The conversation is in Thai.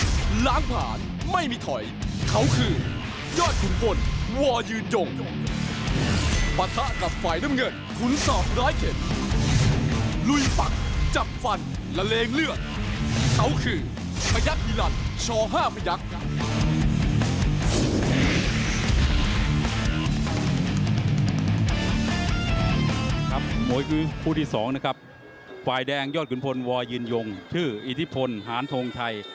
มวยคู่ที่สองนะครับฝ่ายแดงยอดขุนพลวอยืนยงชื่ออิทธิพลหานทงชัย